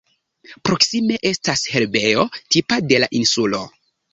Proksime estas herbejo, tipa de la insulo.